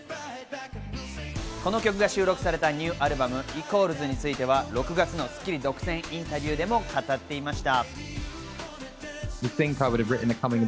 この曲が収録されたニューアルバム『＝』については、６月の『スッキリ』独占インタビューでも語っていました。